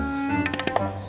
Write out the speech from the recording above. pertempuran sepuluh lagi